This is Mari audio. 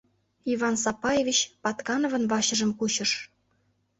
— Иван Сапаевич Паткановын вачыжым кучыш.